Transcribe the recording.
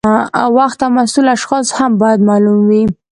وخت او مسؤل اشخاص هم باید معلوم وي.